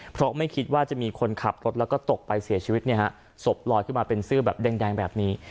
เพราะไม่คิดว่าจะมีคนขับรถแล้วก็ตกไปเสียชีวิตเนี่ยฮะศพลอยขึ้นมาเป็นเสื้อแบบแดงแบบนี้